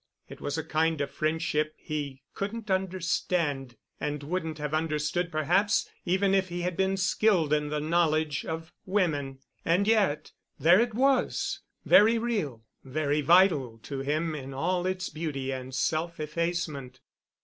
It was a kind of friendship he couldn't understand and wouldn't have understood perhaps even if he had been skilled in the knowledge of women. And yet, there it was, very real, very vital to him in all its beauty and self effacement.